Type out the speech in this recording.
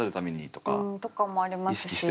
うん。とかもありますし。